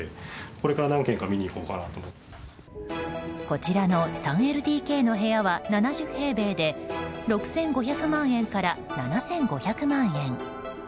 こちらの３ＬＤＫの部屋は７０平米で６５００万円から７５００万円。